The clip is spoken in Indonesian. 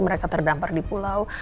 mereka terdampar di pulau